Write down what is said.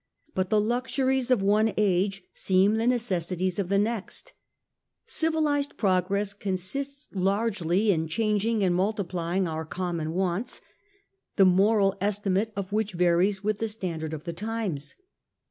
But the luxuries of one age seem the necessaries of the next. Civilized progress consists largely in changing and multiplying our common wants, the moral fully estimate of which varies with the standard of weighed. times.